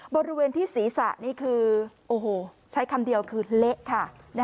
บริเวณที่ศีรษะนี่คือโอ้โหใช้คำเดียวคือเละค่ะ